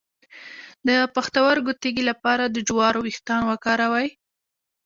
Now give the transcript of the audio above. د پښتورګو تیږې لپاره د جوارو ویښتان وکاروئ